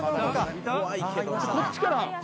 こっちから。